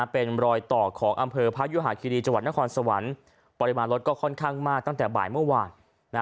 เป็นรอยต่อของอำเภอพระยุหาคิรีจังหวัดนครสวรรค์ปริมาณรถก็ค่อนข้างมากตั้งแต่บ่ายเมื่อวาน